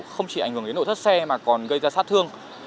không chỉ ảnh hưởng đến nổ thất xe mà còn gây ra sát thương